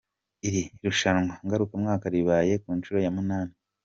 Iri rushanwa ngarukamwaka ribaye ku nshuro ya munani.